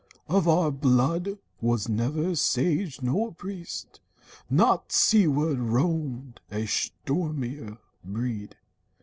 Of our blood Was never sage nor priest. Not seaward roamed A stormier breed.